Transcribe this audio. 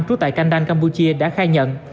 trú tại kandang campuchia đã khai nhận